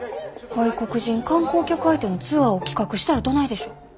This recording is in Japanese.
外国人観光客相手のツアーを企画したらどないでしょう？